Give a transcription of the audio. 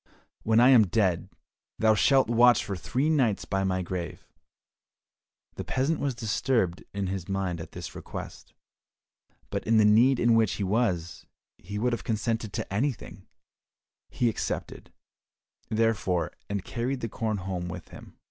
"When I am dead, thou shalt watch for three nights by my grave." The peasant was disturbed in his mind at this request, but in the need in which he was, he would have consented to anything; he accepted, therefore, and carried the corn home with him.